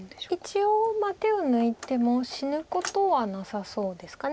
一応手を抜いても死ぬことはなさそうですか。